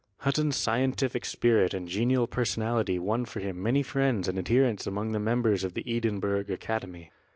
Hutton's scientific spirit and genial personality won for him many friends and adherents among the members of the Edinburgh academy.